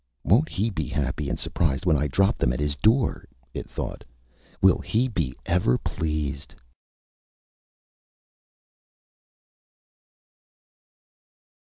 Won't he be happy and surprised when I drop them at his door, it thought. Will he be ever pleased! CLIFFORD D.